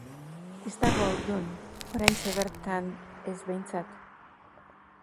Ez dago haurdun, oraintxe bertan ez behintzat.